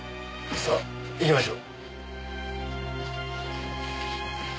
さあ行きましょう。